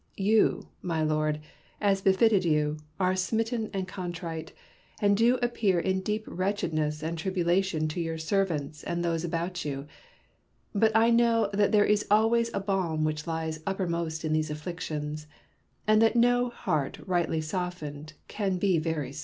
You, my Lord, as befitted you, are smitten and contrite, and do appear in deep wretchedness and tribulation to your servants and those about you ; but I know that there is always a balm which lies uppermost in those afflictions, and that no heart rightly softened can be very soro.